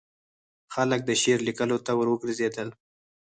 خلک د شعر لیکلو ته وروګرځېدل.